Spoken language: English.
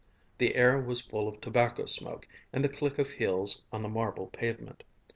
The air was full of tobacco smoke and the click of heels on the marble pavement.